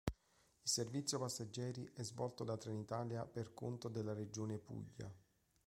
Il servizio passeggeri è svolto da Trenitalia per conto della Regione Puglia.